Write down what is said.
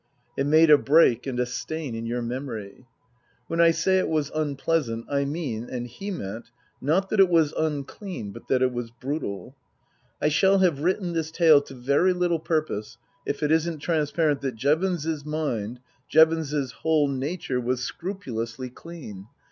It made a break and a stain in your memory. When I say it was unpleasant I mean, and he meant, not that it was unclean, but that it was brutal. I shall have written this tale to very little purpose if it isn't transparent that Jevons's mind, Jevons's whole nature was scrupulously clean.